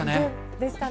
でしたね。